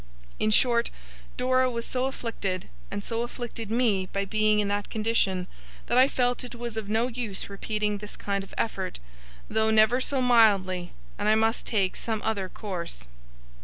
In short, Dora was so afflicted, and so afflicted me by being in that condition, that I felt it was of no use repeating this kind of effort, though never so mildly, and I must take some other course.